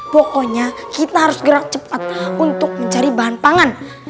pokoknya kita harus gerak cepat untuk mencari bahan pangan